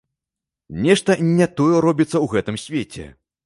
Нешта не тое робіцца ў гэтым свеце.